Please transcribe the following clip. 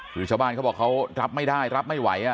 คือชาวบ้านเขาบอกเขารับไม่ได้รับไม่ไหว